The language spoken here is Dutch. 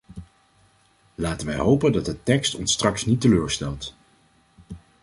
Laten wij hopen dat de tekst ons straks niet teleurstelt.